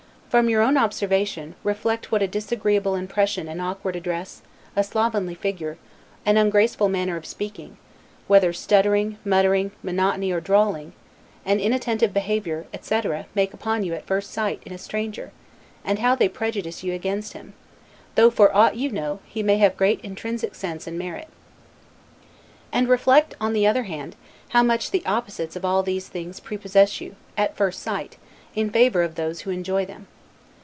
From your own observation, reflect what a disagreeable impression an awkward address, a slovenly figure, an ungraceful manner of speaking, whether stuttering, muttering, monotony, or drawling, an unattentive behavior, etc., make upon you, at first sight, in a stranger, and how they prejudice you against him, though for aught you know, he may have great intrinsic sense and merit. And reflect, on the other hand, how much the opposites of all these things prepossess you, at first sight, in favor of those who enjoy them.